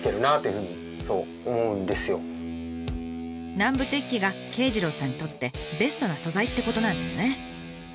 南部鉄器が圭次郎さんにとってベストな素材ってことなんですね。